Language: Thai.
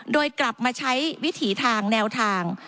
โดยกลับมาใช้วิถีทางแนวทาง